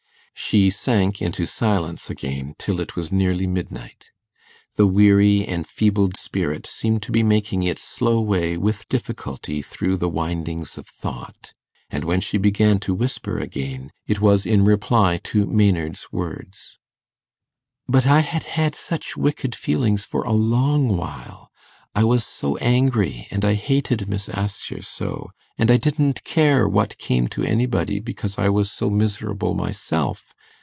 She sank into silence again till it was nearly midnight. The weary enfeebled spirit seemed to be making its slow way with difficulty through the windings of thought; and when she began to whisper again, it was in reply to Maynard's words. 'But I had had such wicked feelings for a long while. I was so angry, and I hated Miss Assher so, and I didn't care what came to anybody, because I was so miserable myself.